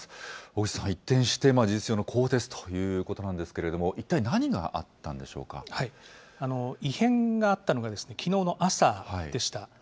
小口さん、一転して事実上の更迭ということなんですけれども、一異変があったのが、きのうの朝でした。